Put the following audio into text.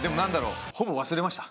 ほぼ忘れました。